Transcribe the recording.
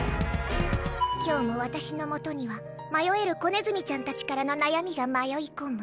今日も私のもとには迷える子ネズミちゃんたちからの悩みが迷い込む。